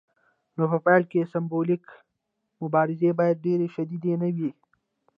نو په پیل کې سمبولیکې مبارزې باید ډیرې شدیدې نه وي.